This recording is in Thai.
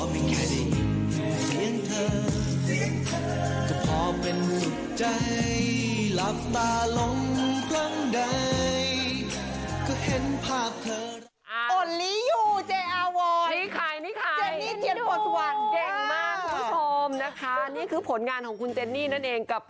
เมื่อปี๒๕๓๙นั่นเองค่ะ